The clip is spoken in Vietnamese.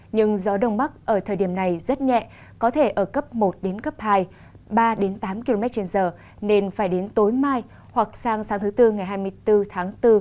nhưng gió đông bắc ở thời điểm này rất nhẹ có thể ở cấp một đến cấp hai ba tám km trên giờ nên phải đến tối mai hoặc sang sáng thứ tư ngày hai mươi bốn tháng bốn